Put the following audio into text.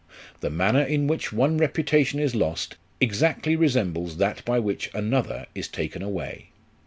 The manner in which one reputation is lost, exactly resembles that by which another is taken away.